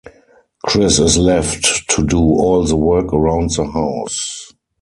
Chris is left to do all the work around the house.